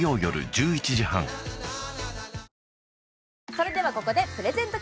それではここでプレゼント